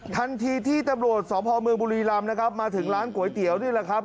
ทันทีที่ตำรวจสพเมืองบุรีรำนะครับมาถึงร้านก๋วยเตี๋ยวนี่แหละครับ